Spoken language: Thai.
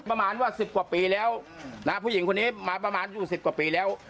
ประมาณว่าสิบกว่าปีแล้วนะผู้หญิงคนนี้มาประมาณอยู่สิบกว่าปีแล้ว